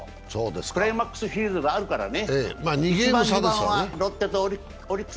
クライマックスシリーズがあるからね。